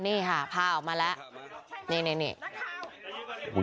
นี่ค่ะพาออกมาแล้วนี่นี่นี่